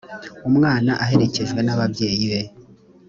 umwana aherekejwe n’ababyeyi be